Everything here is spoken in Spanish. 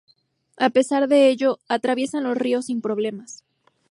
A pesar de ello, atraviesan los ríos sin problemas.